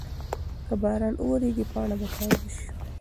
که باران وورېږي پاڼه به تازه شي.